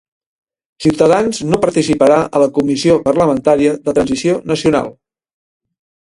Ciutadans no participarà a la comissió parlamentària de transició nacional.